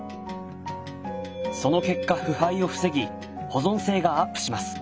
その結果腐敗を防ぎ保存性がアップします。